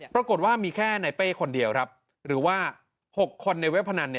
ปรากฏว่ามีแค่ในเป้คนเดียวครับหรือว่า๖คนในเว็บพนัน